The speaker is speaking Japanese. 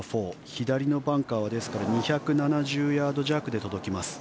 左のバンカーは、ですから２７０ヤード弱で届きます。